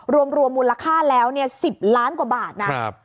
รวมมูลค่าแล้ว๑๐ล้านกว่าบาทนะ